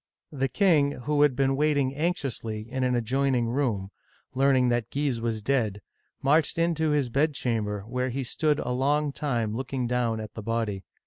The king, who had been waiting anxiously in an adjoin ing room, learning that Guise was dead, marched into his bedchamber, where he stood a long time looking down at the body.